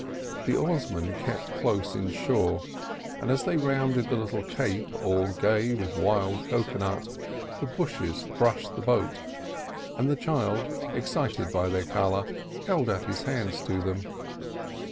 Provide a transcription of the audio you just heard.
The oarsman kept close in shore, and as they rounded the little cape all gay with wild cocoa nut the bushes brushed the boat, and the child, excited by their colour, held out his hands to them.